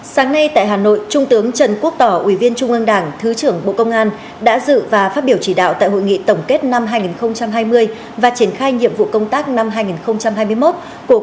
sáng nay tại hà nội trung tướng trần quốc tỏ ủy viên trung ương đảng thứ trưởng bộ công an đã dự và phát biểu chỉ đạo tại hội nghị tổng kết năm hai nghìn hai mươi và triển khai nhiệm vụ công tác năm hai nghìn hai mươi một của cục xây dựng hội đồng nhân dân